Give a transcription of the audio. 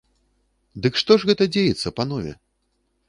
Дык што ж гэта дзеецца, панове?